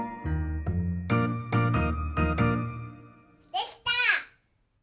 できた！